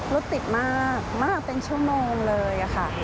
รถติดมากมากเป็นชั่วโมงเลยค่ะ